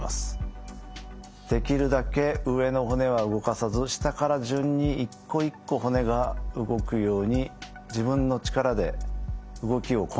できるだけ上の骨は動かさず下から順に一個一個骨が動くように自分の力で動きをコントロールしてください。